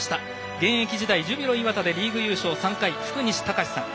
現役時代ジュビロ磐田でリーグ優勝３回、福西崇史さん